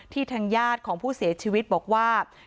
ทางญาติของผู้เสียชีวิตบอกว่า